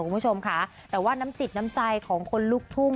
คุณผู้ชมค่ะแต่ว่าน้ำจิตน้ำใจของคนลุกทุ่ง